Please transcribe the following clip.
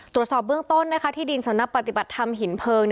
ตรวจสอบเบื้องต้นที่ดินสำนักปฏิบัติธรรมหินเพลิง